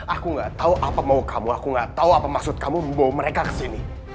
aku gak tau apa mau kamu aku gak tau apa maksud kamu membawa mereka kesini